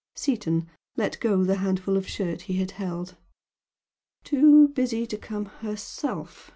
Seaton let go the handful of shirt he had held. "Too busy to come herself!"